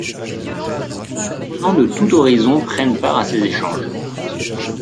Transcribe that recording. Des intervenants de tout horizon prennent part à ces échanges.